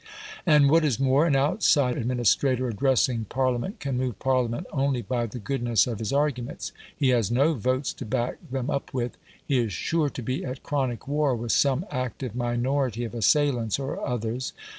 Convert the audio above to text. And what is more, an outside administrator addressing Parliament can move Parliament only by the goodness of his arguments. He has no votes to back them up with. He is sure to be at chronic war with some active minority of assailants or others.